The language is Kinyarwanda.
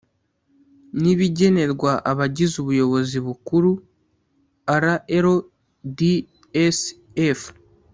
ni ibigenerwa abagize ubuyobozi bukuru rldsf